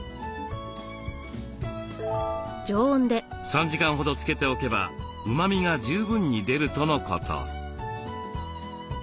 ３時間ほどつけておけばうまみが十分に出るとのこと。